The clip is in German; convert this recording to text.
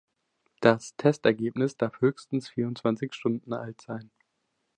Das Testergebnis darf höchstens vierundzwanzig Stunden alt sein.